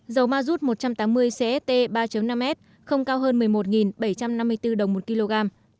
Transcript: dầu ma rút một trăm tám mươi cst ba năm s không cao hơn một mươi một bảy trăm năm mươi bốn đồng một kg